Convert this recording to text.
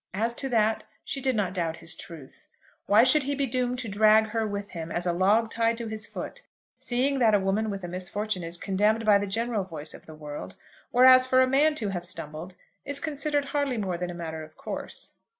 As to that, she did not doubt his truth. Why should he be doomed to drag her with him as a log tied to his foot, seeing that a woman with a misfortune is condemned by the general voice of the world, whereas for a man to have stumbled is considered hardly more than a matter of course?